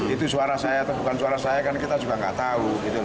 itu suara saya atau bukan suara saya kan kita juga nggak tahu